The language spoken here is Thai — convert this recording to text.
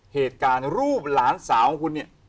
เหตุการณ์รูปหลานสาวของคุณเนี่ย